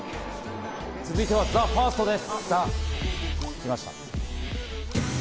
続いてはＴＨＥＦＩＲＳＴです。